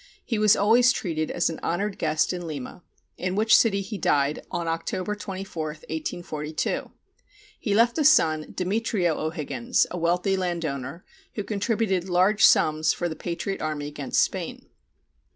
He was always treated as an honored guest in Lima, in which city he died on October 24, 1842. He left a son, Demetrio O'Higgins, a wealthy land owner, who contributed large sums for the patriot army against Spain.